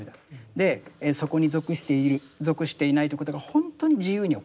でそこに属している属していないということが本当に自由に行われる。